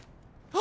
あ。